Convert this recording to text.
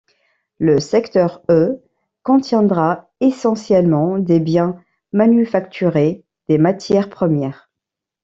Le secteur E contiendra essentiellement des biens manufacturés, des matières premières.